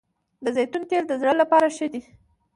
د زیتون تېل د زړه لپاره ښه دي